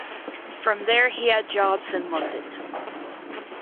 From there he had jobs in London.